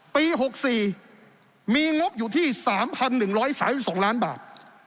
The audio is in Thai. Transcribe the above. ปี๖๔มีงบอยู่ที่๓๑๓๒ล้านบาท